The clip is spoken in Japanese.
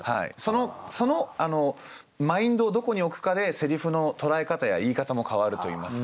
そのマインドをどこに置くかでセリフの捉え方や言い方も変わるといいますか。